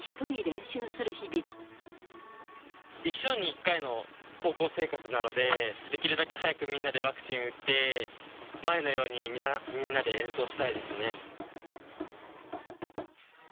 一生に１回の高校生活なので、できるだけ早くみんなでワクチン打って、前のようにみんなで演奏したいですね。